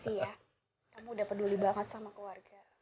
makasih ya kamu udah peduli banget sama keluarga